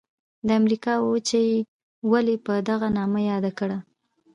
د امریکا وچه یې ولي په دغه نامه یاده کړه؟